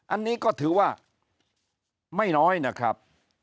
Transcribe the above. อันนี้ก็ถือว่าไม่น้อยนะครับ